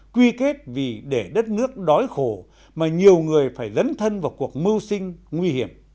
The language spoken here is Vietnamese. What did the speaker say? quy kết vì để đất nước đói khổ mà nhiều người phải dấn thay